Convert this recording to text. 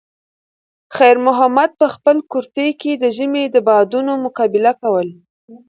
خیر محمد په خپل کورتۍ کې د ژمي د بادونو مقابله کوله.